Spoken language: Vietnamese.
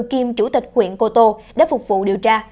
kiêm chủ tịch huyện cô tô để phục vụ điều tra